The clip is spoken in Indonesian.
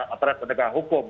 aparat pendegang hukum